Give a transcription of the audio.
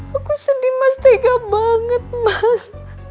aku sedih mas tega banget mas